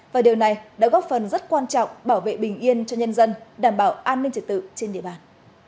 và điều này đã góp phần rất quan trọng bảo vệ bình yên cho nhân dân đảm bảo an ninh trật tự trên địa bàn